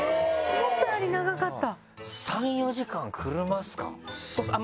思ったより長かった。